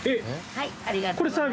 はい。